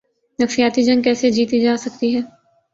نفسیاتی جنگ کیسے جیتی جا سکتی ہے۔